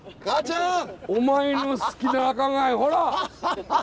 母ちゃん！